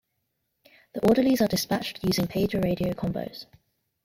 The orderlies are dispatched using pager-radio combos.